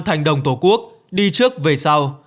thành đồng tổ quốc đi trước về sau